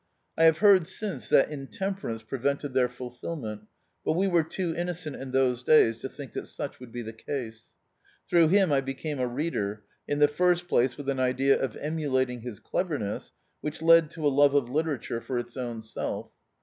I have heard since that intemperance prevented their fulfilment, but we were too innocent in those days K> think that such would be the case. Through him I became a reader, in the first place with an idea of emulating his cleverness, which led to a love of literature for its own self.